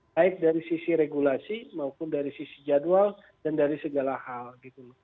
baik dari sisi regulasi maupun dari sisi jadwal dan dari segala hal gitu loh